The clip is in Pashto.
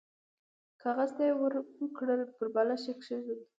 کاغذ ته يې ور پوه کړل، پر بالښت يې کېښود.